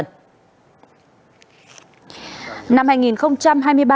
năm hai nghìn một mươi năm lượng đã thu tiền lãi của một người đàn ông ở thành phố rạch giá